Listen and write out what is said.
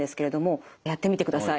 やってみてください。